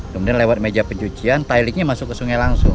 kemudian lewat meja pencucian tiliknya masuk ke sungai langsung